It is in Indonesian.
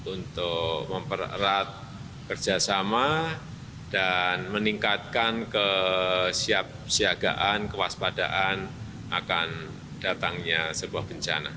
untuk mempererat kerjasama dan meningkatkan kesiapsiagaan kewaspadaan akan datangnya sebuah bencana